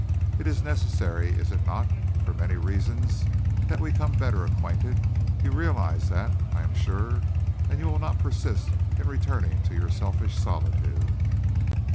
It is necessary, is it not, for many reasons, that we become better acquainted? You realise that, I am sure, and you will not persist in returning to your selfish solitude."